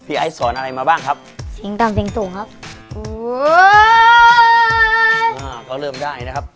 พี่ไอ้สอนอะไรมาบ้างครับสิ่งต่ำสิ่งสูงครับก็เริ่มได้นะครับ